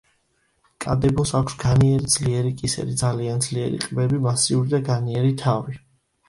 კა დე ბოს აქვს განიერი, ძლიერი კისერი, ძალიან ძლიერი ყბები, მასიური და განიერი თავი.